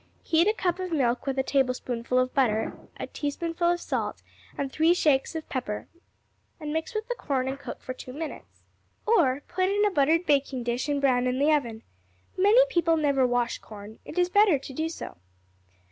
Heat a cup of milk with a tablespoonful of butter, a teaspoonful of salt, and three shakes of pepper, and mix with the corn and cook for two minutes. Or, put in a buttered baking dish and brown in the oven. Many people never wash corn; it is better to do so.